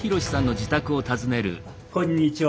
こんにちは